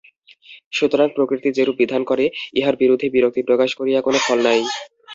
সুতরাং প্রকৃতি যেরূপ বিধান করে, ইহার বিরুদ্ধে বিরক্তি প্রকাশ করিয়া কোন ফল নাই।